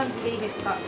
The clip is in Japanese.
いいですか？